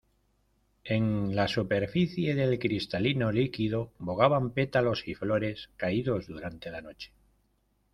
En la superficie del cristalino líquido bogaban pétalos y flores caídos durante la noche.